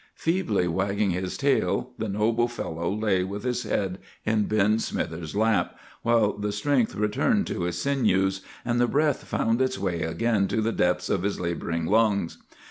"Feebly wagging his tail, the noble fellow lay with his head in Ben Smithers's lap, while the strength returned to his sinews, and the breath found its way again to the depths of his laboring lungs.